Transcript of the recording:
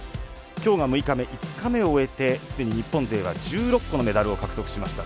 きょうが６日目、５日目を終えてすでに日本勢は１６個のメダルを獲得しました。